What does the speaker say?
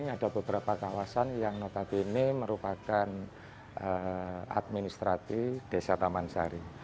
ada beberapa kawasan yang notabene merupakan administratif desa taman sari